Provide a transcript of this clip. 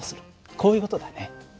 こういう事だね。